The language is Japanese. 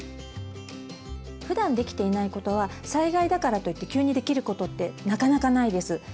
ふだんできていないことは災害だからといって急にできることってなかなかないです。